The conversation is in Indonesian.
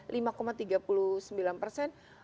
lima tiga puluh sembilan persen